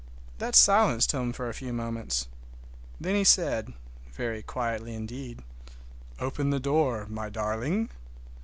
That silenced him for a few moments. Then he said—very quietly indeed, "Open the door, my darling!"